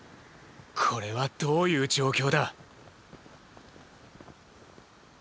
これはどういう状況だ？